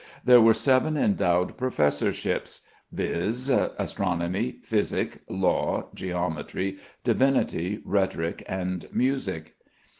There were seven endowed professorships viz., astronomy, physic, law, geometry, divinity, rhetoric, and music.